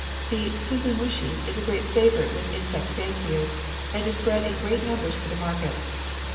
The suzumushi is a great favorite with insect fanciers, and is bred in great numbers for the market.